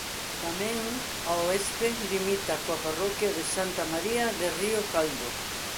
Tamén ao oeste limita coa parroquia de Santa María de Río Caldo.